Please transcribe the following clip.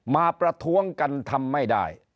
ประท้วงกันทำไม่ได้